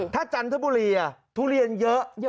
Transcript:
ถ้าจันทบุรีทุเรียนเยอะ